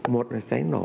một là cháy nổ